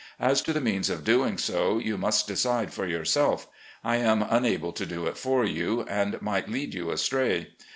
As to the means of doing so, you must decide for yourself. I am unable to do it for you, and might lead you astray.